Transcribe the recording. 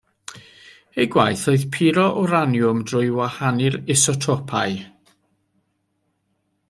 Eu gwaith oedd puro wraniwm drwy wahanu'r isotopau.